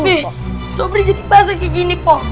bih sobrinya dipasak gini po